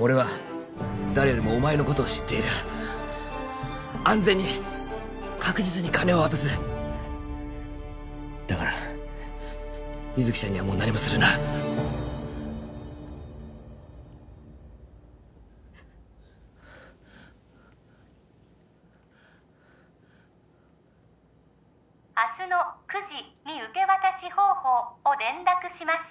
俺は誰よりもお前のことを知っている安全に確実に金を渡すだから優月ちゃんにはもう何もするな明日の９時に受け渡し方法を連絡します